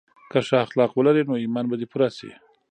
که ښه اخلاق ولرې نو ایمان به دې پوره شي.